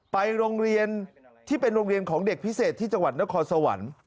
ไปโรงเรียนที่เป็นโรงเรียนของเด็กพิเศษที่จังหวัดนครสวรรค์